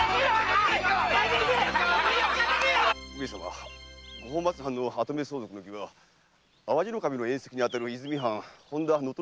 上様五本松藩の跡目相続の儀は淡路守の縁戚に当たる泉藩本多能登